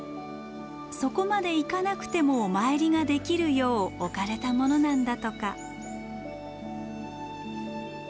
そこまで行かなくてもお参りができるよう置かれたものなんだとか。